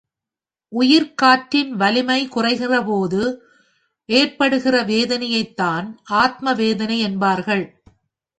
உயிர்க் காற்றின் வலிமை குறைகிறபோது ஏற்படுகிற வேதனையைத்தான் ஆத்ம வேதனை என்பார்கள்.